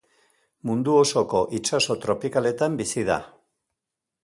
Mundu osoko itsaso tropikaletan bizi da.